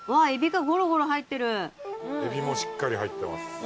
えびもしっかり入ってます。